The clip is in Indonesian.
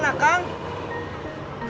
saya sudah selesai